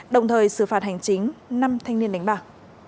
đồng thời xử phạt hành chính năm thanh niên đánh bạc